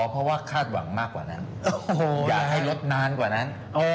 เพราะว่าคาดหวังมากกว่านั้นอย่าให้ลดนานกว่านั้น